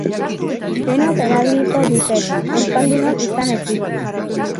Denok erabiliko dute, euskaldunok izan ezik.